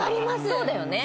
そうだよね。